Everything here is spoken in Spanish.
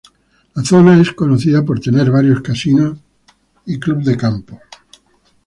La zona es conocida por tener varios casinos y country clubs.